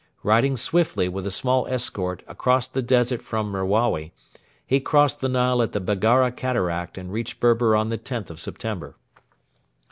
Riding swiftly with a small escort across the desert from Merawi, he crossed the Nile at the Baggara Cataract and reached Berber on the 10th of September.